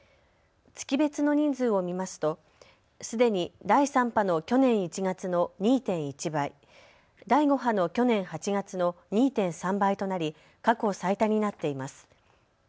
月別の人数を見ますとすでに第３波の去年１月の２．１倍、第５波の去年８月の２．３倍となり過去最多になっています。